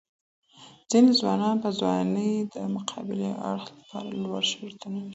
ځيني ځوانان يا ځواناني د مقابل اړخ لپاره لوړ شرطونه ږدي